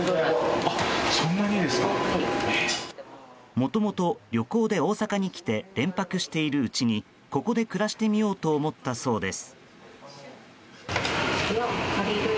もともと旅行で大阪に来て連泊しているうちにここで暮らしてみようと思ったそうです。